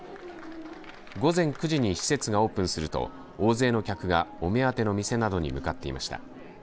午前９時に施設がオープンすると大勢の客がお目当ての店などに向かっていました。